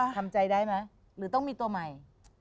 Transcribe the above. ทำใจได้ไหมหรือต้องมีตัวใหม่